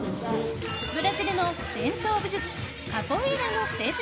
ブラジルの伝統武術カポエイラのステージ